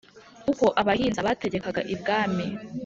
uko abahinza bategekaga i bwami